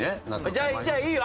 じゃあいいよ。